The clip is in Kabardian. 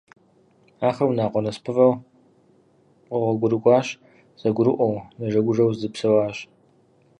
Ахэр унагъуэ насыпыфӏэу къэгъуэгурыкӏуащ, зэгурыӏуэу, нэжэгужэу зэдэпсэуащ.